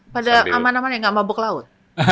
pada aman aman yang gak mabuk laut